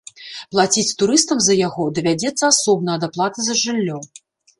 Плаціць турыстам за яго давядзецца асобна ад аплаты за жыллё.